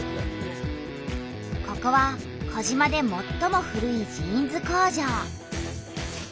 ここは児島でもっとも古いジーンズ工場。